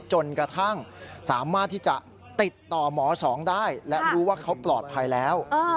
จนกระทั่งสามารถที่จะติดต่อหมอสองได้และรู้ว่าเขาปลอดภัยแล้ว